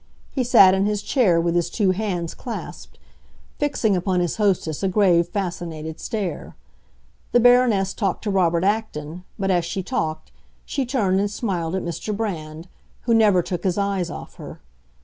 He sat in his chair with his two hands clasped, fixing upon his hostess a grave, fascinated stare. The Baroness talked to Robert Acton, but, as she talked, she turned and smiled at Mr. Brand, who never took his eyes off her.